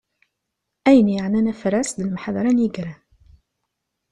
Ayen yeɛnan afras d lemḥadra n yigran.